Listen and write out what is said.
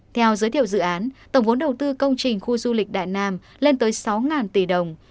theo giới thiệu dự án tổng vốn đầu tư công trình khu du lịch đại nam lên tới sáu tỷ đồng